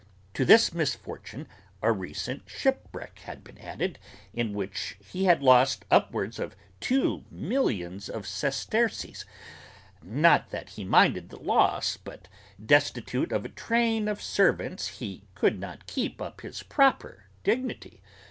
To this misfortune a recent shipwreck had been added, in which he had lost upwards of two millions of sesterces; not that he minded the loss but, destitute of a train of servants he could not keep up his proper dignity!